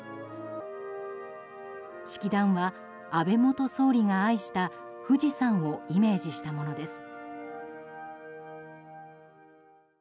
式壇は安倍元総理が愛した富士山をイメージしたものです。